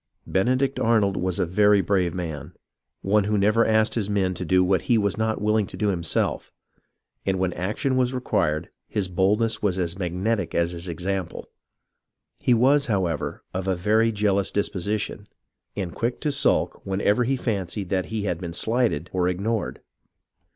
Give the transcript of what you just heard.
Benedict Arnold was a very brave man, one who never asked his men to do what he was not willing to do himself, and when action was required his boldness was as mag netic as his example. He was, however, of a very jealous disposition, and quick to sulk whenever he fancied that he had been shghted or ignored.